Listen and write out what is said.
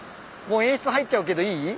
もう演出入っちゃうけどいい？